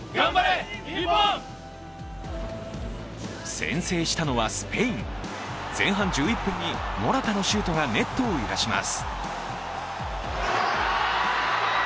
先制したのはスペイン、前半１１分にモラタのシュートがネットを揺らします。